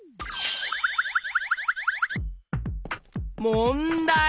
もんだい！